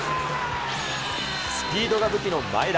スピードが武器の前田。